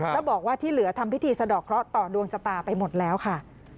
แล้วบอกว่าที่เหลือทำพิธีสะดอกเคราะห์ต่อดวงชะตาไปหมดแล้วค่ะ